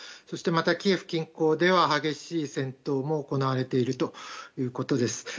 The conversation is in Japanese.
そしてキエフ近郊では激しい戦闘も行われているということです。